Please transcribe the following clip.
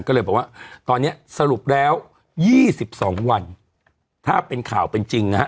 ก็เลยบอกว่าตอนนี้สรุปแล้ว๒๒วันถ้าเป็นข่าวเป็นจริงนะฮะ